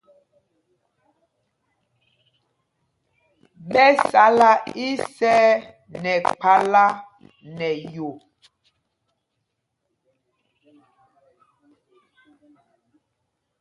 Ɓɛ sala isɛɛ nɛ kphālā nɛ yo.